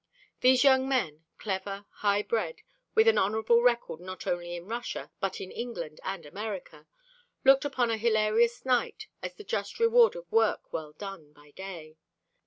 These young men, clever, high bred, with an honorable record not only in Russia, but in England and America, looked upon a hilarious night as the just reward of work well done by day.